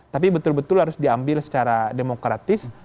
tapi betul betul harus diambil secara demokratis